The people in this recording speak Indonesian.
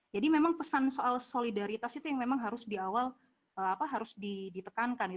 jadi memang pesan soal solidaritas itu yang harus di awal ditekankan